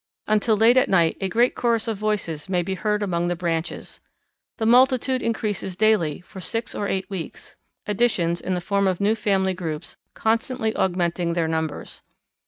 Until late at night a great chorus of voices may be heard among the branches. The multitude increases daily for six or eight weeks, additions, in the form of new family groups, constantly augmenting their numbers.